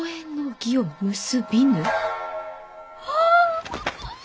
ああ！